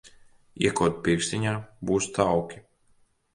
Iekod pirkstiņā, būs tauki.